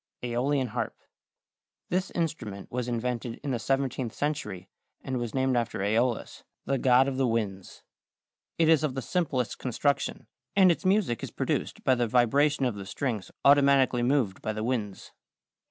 =Æolian Harp.= This instrument was invented in the 17th century and was named after Æolus, the god of the winds. It is of the simplest construction, and its music is produced by the vibration of the strings automatically moved by the winds.